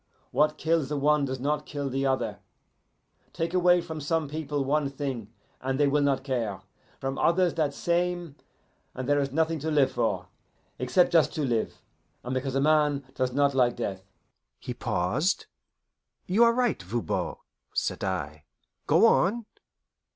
What kills the one does not kill the other. Take away from some people one thing, and they will not care; from others that same, and there is nothing to live for, except just to live, and because a man does not like death." He paused. "You are right, Voban," said I. "Go on."